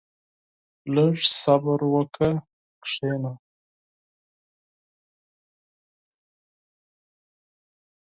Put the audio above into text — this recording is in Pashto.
• لږ صبر وکړه، کښېنه.